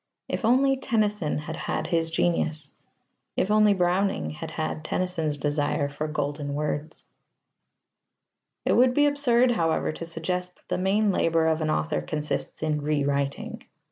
If only Tennyson had had his genius! If only Browning had had Tennyson's desire for golden words! It would be absurd, however, to suggest that the main labour of an author consists in rewriting.